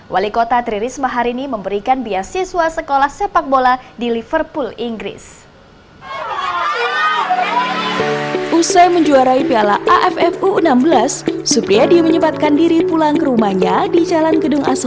wali kota tririsma hari ini memberikan biasiswa sekolah sepak bola di liverpool inggris